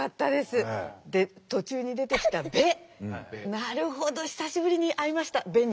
なるほど久しぶりに会いました「部」に。